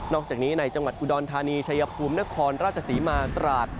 อกจากนี้ในจังหวัดอุดรธานีชัยภูมินครราชศรีมาตราด